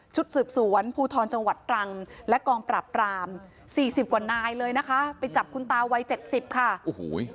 สืบสวนภูทรจังหวัดตรังและกองปราบรามสี่สิบกว่านายเลยนะคะไปจับคุณตาวัยเจ็ดสิบค่ะโอ้โห